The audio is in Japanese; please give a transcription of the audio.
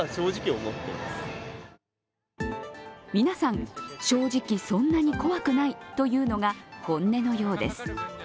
皆さん、正直、そんなに怖くないというのが本音のようです。